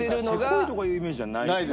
せこいとかいうイメージじゃないじゃない。